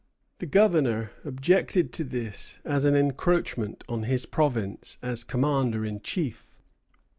The governor objected to this as an encroachment on his province as commander in chief.